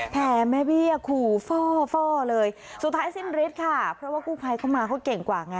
แผลแม่เบี้ยขู่ฟ่อเลยสุดท้ายสิ้นฤทธิ์ค่ะเพราะว่ากู้ภัยเข้ามาเขาเก่งกว่าไง